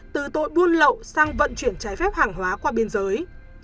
từ tội buôn lậu sang vận chuyển trái phép hàng hóa qua biên giới